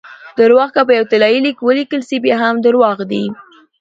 درواغ که په یو طلايي لیک ولیکل سي؛ بیا هم درواغ دي!